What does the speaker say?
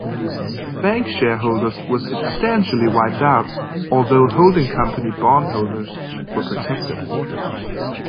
Bank shareholders were substantially wiped out, although holding-company bondholders were protected.